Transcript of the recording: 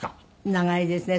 長いですね。